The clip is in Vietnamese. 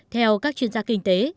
theo các chuyên gia kinh tế